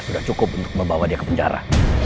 sudah cukup untuk membawa dia ke penjara